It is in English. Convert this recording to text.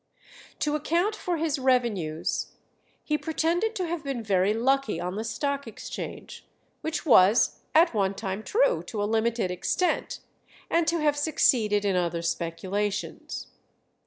To account for his revenues he pretended to have been very lucky on the Stock Exchange, which was at one time true to a limited extent, and to have succeeded in other speculations.